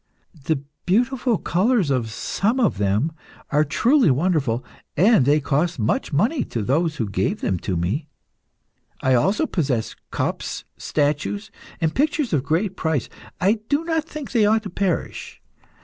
The beautiful colours of some of them are truly wonderful, and they cost much money to those who gave them to me. I also possess cups, statues, and pictures of great price. I do not think they ought to perish.